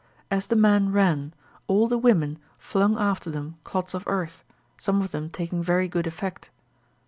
As the men ran, all the women flung after them clods of earth, some of them taking very good effect.